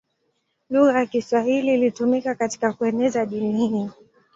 Lugha ya Kiswahili ilitumika katika kueneza dini hiyo.